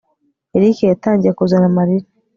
erick yatangiye kuzana amarira